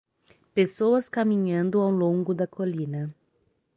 Pessoas caminhando ao longo da colina.